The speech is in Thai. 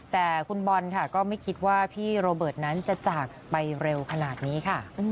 แต่คุณบอลค่ะก็ไม่คิดว่าพี่โรเบิร์ตนั้นจะจากไปเร็วขนาดนี้ค่ะ